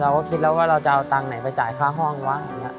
เราก็คิดแล้วว่าเราจะเอาตังค์ไหนไปจ่ายค่าห้องวะอย่างนี้